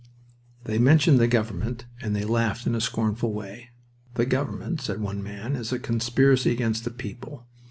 They mentioned the government, and then laughed in a scornful way. "The government," said one man, "is a conspiracy against the people.